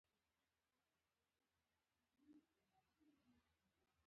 سیدلال ور وړاندې شو او له لاسه یې ونیو.